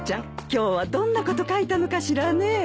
今日はどんなこと書いたのかしらねぇ。